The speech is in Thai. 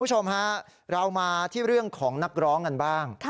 คุณผู้ชมฮะเรามาที่เรื่องของนักร้องกันบ้าง